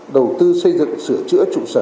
đầu tư xây dựng sửa chữa trụ sở